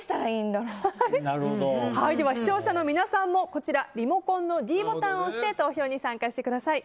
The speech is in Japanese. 視聴者の皆さんもリモコンのｄボタンを押して投票に参加してください。